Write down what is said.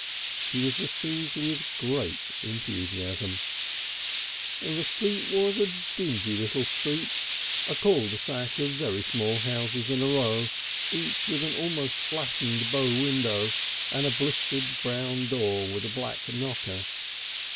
He was received with great enthusiasm. The street was a dingy little street, a cul de sac of very small houses in a row, each with an almost flattened bow window and a blistered brown door with a black knocker.